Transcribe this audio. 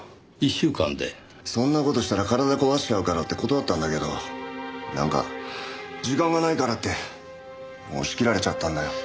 そんな事したら体壊しちゃうからって断ったんだけどなんか時間がないからって押し切られちゃったんだよ。